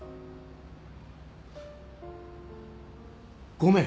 ごめん。